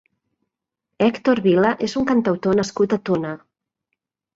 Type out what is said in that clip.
Hèctor Vila és un cantautor nascut a Tona.